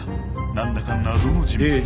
何だか謎の人物。